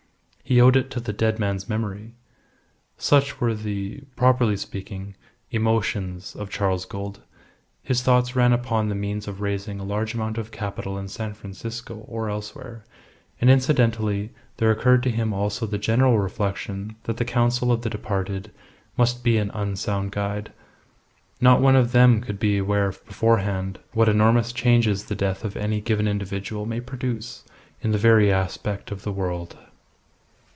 He owed it to the dead man's memory. Such were the properly speaking emotions of Charles Gould. His thoughts ran upon the means of raising a large amount of capital in San Francisco or elsewhere; and incidentally there occurred to him also the general reflection that the counsel of the departed must be an unsound guide. Not one of them could be aware beforehand what enormous changes the death of any given individual may produce in the very aspect of the world.